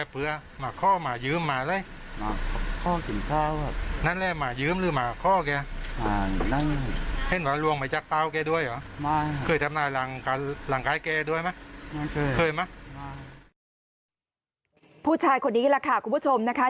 ผู้ชายคนนี้แหละค่ะคุณผู้ชมนะคะ